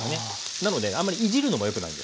なのであんまりいじるのも良くないんですよ。